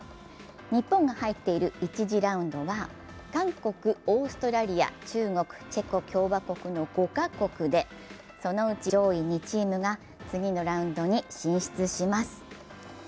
日本が入っている１次ラウンドは韓国、オーストラリア、中国、チェコ共和国の５か国でそのうち上位２チームが次のラウンドに進出します。